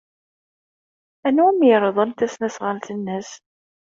Anwa umi yerḍel tasnasɣalt-nnes?